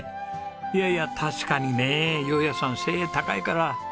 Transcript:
いやいや確かにね雄也さん背高いから。